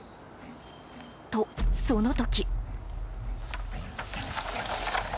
と、その時。